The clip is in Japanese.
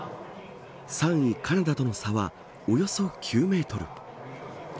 ３位カナダとの差はおよそ９メートル。